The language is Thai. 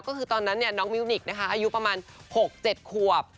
ก็คือตอนนั้นน้องมิวนิกนะคะอายุประมาณ๖๗ขวบ